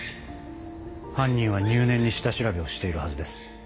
犯人は入念に下調べをしているはずです。